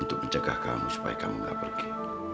untuk menjaga kamu supaya kamu gak pergi